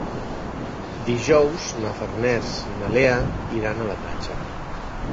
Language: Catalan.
Dijous na Farners i na Lea iran a la platja.